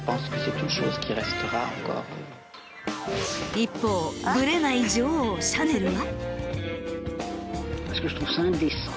一方ぶれない女王シャネルは。